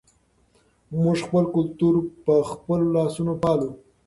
موږ خپل کلتور په خپلو لاسونو پالو.